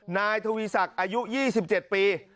นายทวีศักดิ์อายุ๒๗ปี